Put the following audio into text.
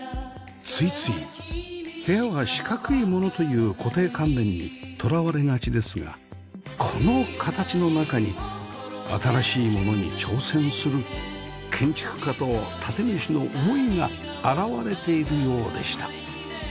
ついつい部屋は四角いものという固定観念にとらわれがちですがこの形の中に新しいものに挑戦する建築家と建主の思いが表れているようでした